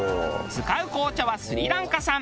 使う紅茶はスリランカ産。